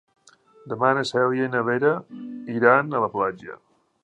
Demà na Cèlia i na Vera iran a la platja.